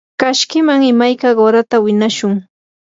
kashkiman imayka qurata winashun.